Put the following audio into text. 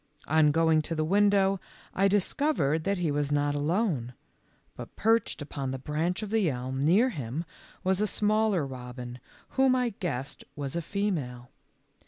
On going to the window I discovered that he was not alone, but perched upon the branch of the elm near him was a smaller robin, whom I guessed was a female.